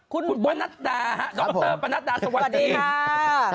คุณประนัดดาสวัสดีค่ะ